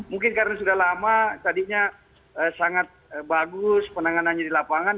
mungkin karena sudah lama tadinya sangat bagus penanganannya di lapangan